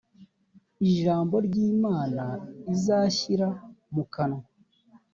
ijambo ry’imana izashyira mu kanwa